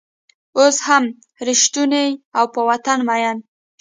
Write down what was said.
اوس هم رشتونی او په وطن مین